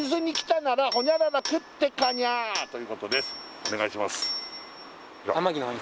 お願いします